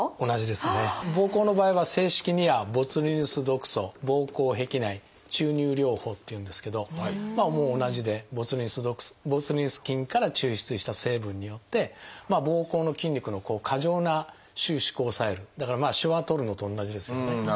ぼうこうの場合は正式には「ボツリヌス毒素ぼうこう壁内注入療法」っていうんですけど同じでボツリヌス菌から抽出した成分によってぼうこうの筋肉の過剰な収縮を抑えるだからしわを取るのと同じですよね。